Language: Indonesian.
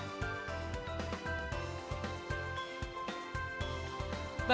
baik kepada seluruh anggota dewan gubernur kami persilahkan untuk ke tempat